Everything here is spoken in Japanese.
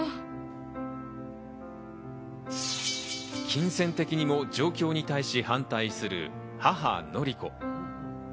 金銭的にも上京に対し反対する母・紀子。